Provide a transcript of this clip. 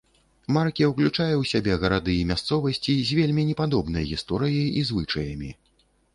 Марке ўключае ў сябе гарады і мясцовасці з вельмі непадобнай гісторыяй і звычаямі.